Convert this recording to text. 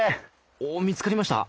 お見つかりました？